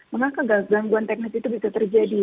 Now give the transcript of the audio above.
mengapa gangguan teknis itu bisa terjadi